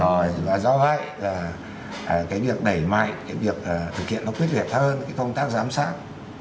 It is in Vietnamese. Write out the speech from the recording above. rồi và do vậy cái việc đẩy mạnh cái việc thực hiện nó tuyệt vệt hơn cái công tác giám sát